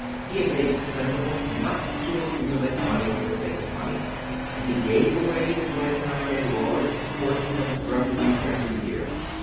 He had made it a principle not to accumulate money for the sake of money, and he gave away in his lifetime a large portion of his revenue every year.